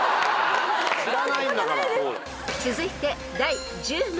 ［続いて第１０問］